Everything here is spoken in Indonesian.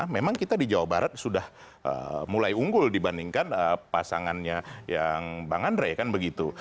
memang kita di jawa barat sudah mulai unggul dibandingkan pasangannya yang bang andre kan begitu